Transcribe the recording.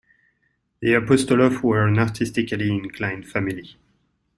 The Apostolofs were an artistically inclined family.